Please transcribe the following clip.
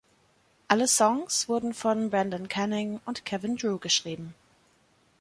Alle Songs wurden von Brendan Canning und Kevin Drew geschrieben.